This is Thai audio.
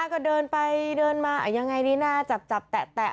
ก็เดินไปเดินมายังไงดีนะจับจับแตะ